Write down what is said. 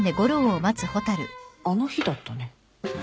あの日だったね。